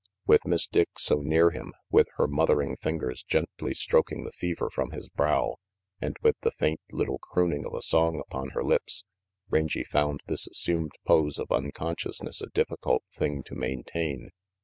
With Miss Dick so near him, with her mothering fingers gently stroking the fever from his brow, and with the faint little crooning of a song upon her lips, Rangy found this assumed pose of unconsciousness a difficult thing to maintain.